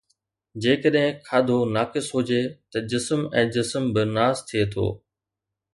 جيڪڏهن کاڌو ناقص هجي ته جسم ۽ جسم به ناس ٿئي ٿو